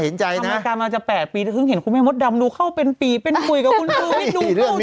โอ้จะกรับแล้วพีวพีวแล้วมันก็ไหวแล้ว